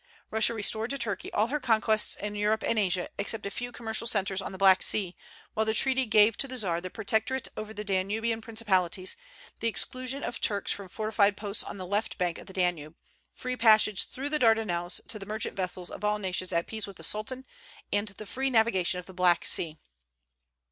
Russia restored to Turkey all her conquests in Europe and Asia, except a few commercial centres on the Black Sea, while the treaty gave to the Czar the protectorate over the Danubian principalities, the exclusion of Turks from fortified posts on the left bank of the Danube, free passage through the Dardanelles to the merchant vessels of all nations at peace with the Sultan, and the free navigation of the Black Sea.